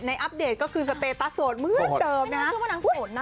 ในอัปเดตก็คือสเตตสดมืดเดิมนะ